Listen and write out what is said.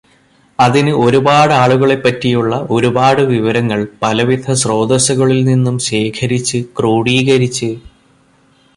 അതിന് ഒരുപാട് ആളുകളെ പറ്റിയുള്ള ഒരുപാട് വിവരങ്ങൾ പലവിധ സ്രോതസ്സുകളിൽ നിന്നും ശേഖരിച്ച്, ക്രോഡീകരിച്ച്